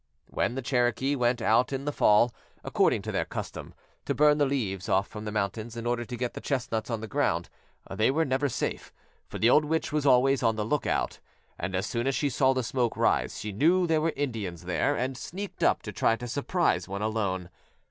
When the Cherokee went out in the fall, according to their custom, to burn the leaves off from the mountains in order to get the chestnuts on the ground, they were never safe, for the old witch was always on the lookout, and as soon as she saw the smoke rise she knew there were Indians there and sneaked up to try to surprise one alone.